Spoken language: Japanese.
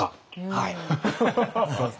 はい。